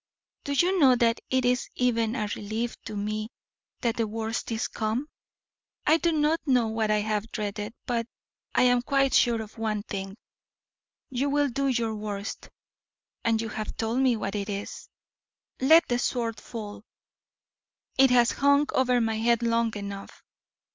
"Do you know that it is even a relief to me that the worst is come? I do not know what I have dreaded, but I am quite sure of one thing you will do your worst, and you have told me what it is. Let the sword fall: it has hung over my head long enough.